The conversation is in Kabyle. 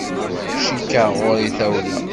Cikkeɣ ɣur-i tawla.